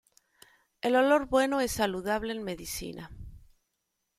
El olor bueno es saludable en medicina.